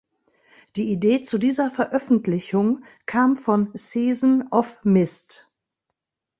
Die Idee zu dieser Veröffentlichung kam von Season of Mist.